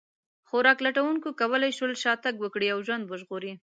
خوراک لټونکو کولی شول شا تګ وکړي او ژوند وژغوري.